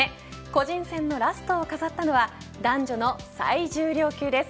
個人戦のラストを飾ったのは男女の最重量級です。